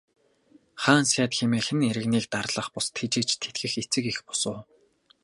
Хаан сайд хэмээх нь иргэнийг дарлах бус, тэжээж тэтгэх эцэг эх бус уу.